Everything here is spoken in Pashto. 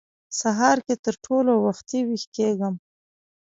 سهار کې تر ټولو وختي وېښ کېږم.